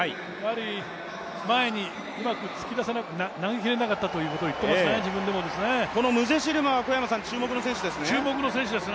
前にうまく投げきれなかったということを言ってますね、自分でもこのムゼシルマは、注目の選手ですね。